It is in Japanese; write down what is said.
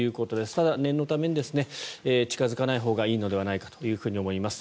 ただ、念のため近付かないほうがいいのではと思います。